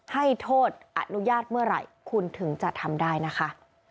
ให้โทษอนุญาตเมื่อไหร่คุณถึงจะทำได้นะคะ